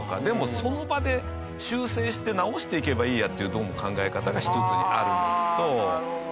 でもその場で修正して直していけばいいやっていうどうも考え方が一つにあるのと。